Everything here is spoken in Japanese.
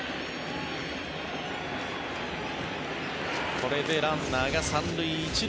これでランナーが３塁１塁。